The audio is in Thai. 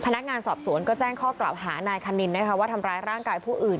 พนักงานสอบสวนก็แจ้งข้อกล่าวหานายคณินนะคะว่าทำร้ายร่างกายผู้อื่น